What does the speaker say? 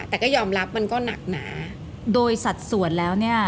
แต่ก็ยอมรับมันก็หนักหนาโดยสัดส่วนแล้วเนี่ย